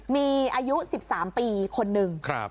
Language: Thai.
มีอายุ๑๓ปีคนหนึ่ง